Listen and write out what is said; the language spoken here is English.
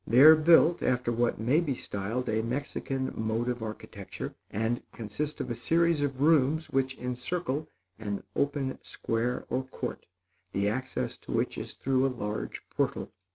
They are built after what may be styled a Mexican mode of architecture, and consist of a series of rooms which encircle an open square or court, the access to which is through a large portal.